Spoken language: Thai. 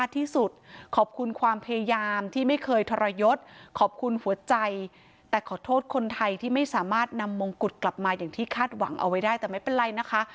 ที่สุดขอบคุณความพยายามที่ไม่เคยทรยศขอบคุณหัวใจแต่ขอโทษคนไทยที่ไม่สามารถนำมงกุฎกลับมาอย่างที่คาดหวังเอาไว้ได้แต่ไม่เป็นไรนะคะ